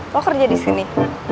lo kerja di sini